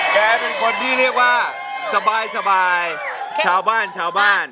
แกเป็นคนที่เรียกว่าสบายชาวบ้านชาวบ้าน